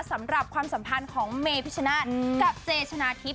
๑๐สำหรับสัมพันธ์ของเมณ์พิชชนะกับเจษนาทิพย์